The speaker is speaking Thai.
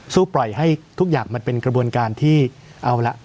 ปล่อยให้ทุกอย่างมันเป็นกระบวนการที่เอาละ